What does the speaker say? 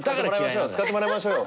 使ってもらいましょうよ。